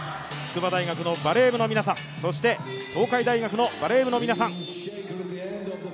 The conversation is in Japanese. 筑波大学のバレー部の皆さん、そして東海大学のバレー部の皆さん。